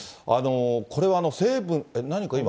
これは成分、何か今？